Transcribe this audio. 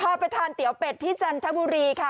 ไปทานเตี๋ยวเป็ดที่จันทบุรีค่ะ